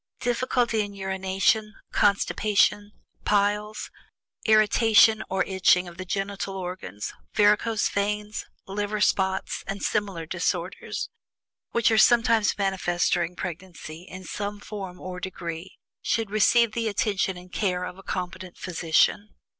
Difficulty in urination, constipation, piles, irritation or itching of the genital organs, varicose veins, liver spots, and similar disorders, which are sometimes manifest during pregnancy, in some form or degree, should receive the attention and care of a competent physician.